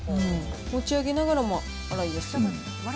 持ち上げながらも洗いやすい。